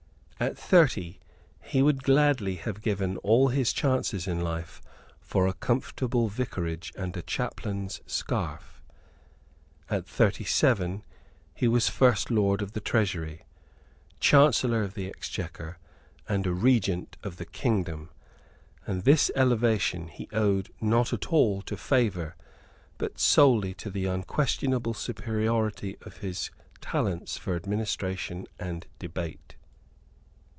At thirty, he would gladly have given all his chances in life for a comfortable vicarage and a chaplain's scarf. At thirty seven, he was First Lord of the Treasury, Chancellor of the Exchequer and a Regent of the kingdom; and this elevation he owed not at all to favour, but solely to the unquestionable superiority of his talents for administration and debate.